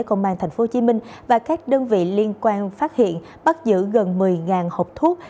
công an tp hcm và các đơn vị liên quan phát hiện bắt giữ gần một mươi hộp thuốc